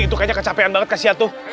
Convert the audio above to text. itu kayaknya kecapean banget kasia tuh